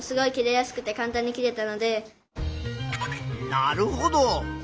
なるほど。